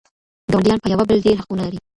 ګاونډيان په يوه بل ډېر حقونه لري.